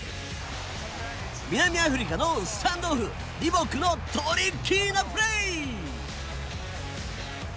南アフリカのスタンドオフリボックのトリッキーなプレー。